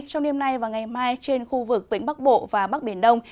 trong đêm nay và ngày mai trên khu vực vĩnh bắc bộ và bắc biển đông